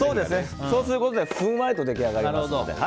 そうすることでふんわりと出来上がりますので。